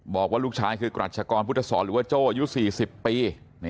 บอกว่าลูกชายคือกรัชกรพุทธศรหรือว่าโจ้อายุ๔๐ปี